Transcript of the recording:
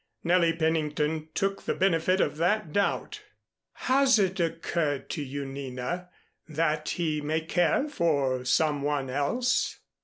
Nellie Pennington took the benefit of that doubt. "Has it occurred to you, Nina, that he may care for some one else?"